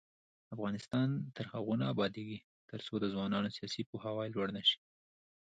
افغانستان تر هغو نه ابادیږي، ترڅو د ځوانانو سیاسي پوهاوی لوړ نشي.